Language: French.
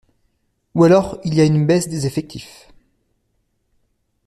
Ou alors il y a une baisse des effectifs.